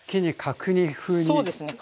そうですね。